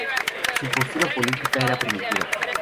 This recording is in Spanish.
Su postura política era primitiva.